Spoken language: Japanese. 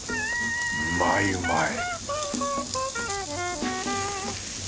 うまいうまい！